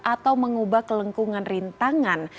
atau mengubah kelengkungan rintangan